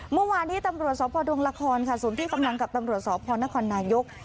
เมื่อวานนี้ตำรวจสพดงละครค่ะส่วนที่กำลังกับตำรวจสพนครนายก